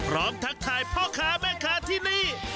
ทักทายพ่อค้าแม่ค้าที่นี่